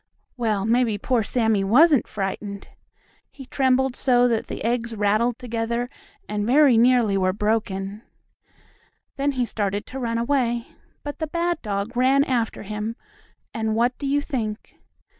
Well, maybe poor Sammie wasn't frightened! He trembled so that the eggs rattled together and very nearly were broken. Then he started to run away, but the bad dog ran after him, and what do you think?